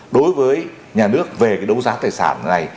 đối với nhà nước về cái đấu giá tài sản này